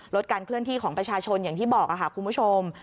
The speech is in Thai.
ลดการเคลื่อนที่ของประชาชนอย่างที่บอกค่ะคุณผู้ชม